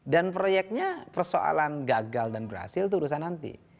dan proyeknya persoalan gagal dan berhasil itu urusan nanti